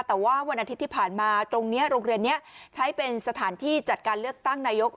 แต่ว่าวันอาทิตย์ที่ผ่านมาตรงนี้โรงเรียนนี้ใช้เป็นสถานที่จัดการเลือกตั้งนายก